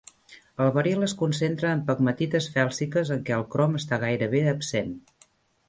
El beril es concentra en pegmatites fèlsiques en què el crom està gairebé absent.